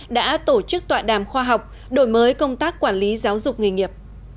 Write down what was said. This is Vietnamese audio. đã tổ chức tọa đàm khoa học đổi mới công tác quản lý giáo dục nghề nghiệp